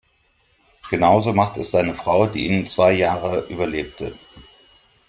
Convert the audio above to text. Genauso machte es seine Frau, die ihn zwei Jahre überlebte.